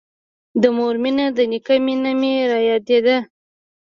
د مور مينه د نيکه مينه مې رايادېده.